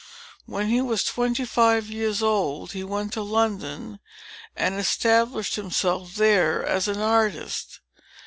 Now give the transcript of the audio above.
When he was twenty five years old, he went to London, and established himself there as an artist.